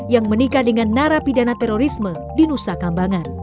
yang menikah dengan narapidana terorisme di nusa kambangan